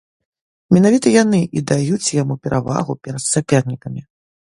Менавіта яны і даюць яму перавагу перад сапернікамі.